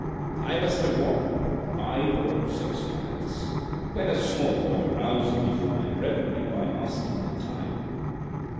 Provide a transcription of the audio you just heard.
I must have walked five or six miles, when a small boy roused me from my reverie by asking the time.